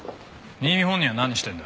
新見本人は何してるんだ？